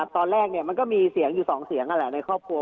ตอนแรกมันก็มีเสียงอยู่๒เสียงนั่นแหละในครอบครัว